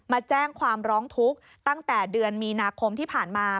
มาแจ้งความร้องทุกข์ตั้งแต่เดือนมีนาคมที่ผ่านมา